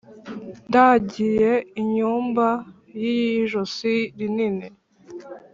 Ndagiye inyumba y'ijosi rinini,